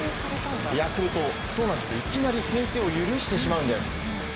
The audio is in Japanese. ヤクルト、いきなり先制を許してしまうんです。